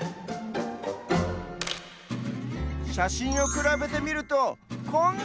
しゃしんをくらべてみるとこんなにちがう！